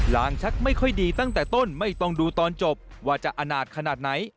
งชักไม่ค่อยดีตั้งแต่ต้นไม่ต้องดูตอนจบว่าจะอนาจขนาดไหน